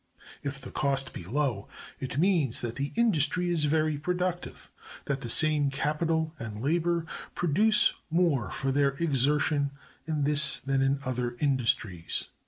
If the cost be low, it means that the industry is very productive; that the same capital and labor produce more for their exertion in this than in other industries.